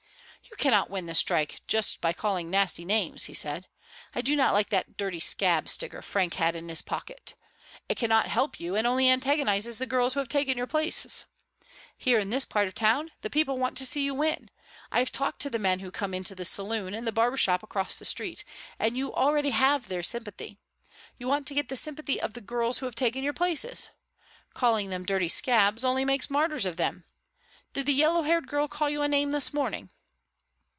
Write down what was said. "You cannot win this strike by just calling nasty names," he said. "I do not like that 'dirty scab' sticker Frank had in his pocket. It cannot help you and only antagonises the girls who have taken your places. Here in this part of town the people want to see you win. I have talked to the men who come into the saloon and the barber shop across the street and you already have their sympathy. You want to get the sympathy of the girls who have taken your places. Calling them dirty scabs only makes martyrs of them. Did the yellow haired girl call you a name this morning?"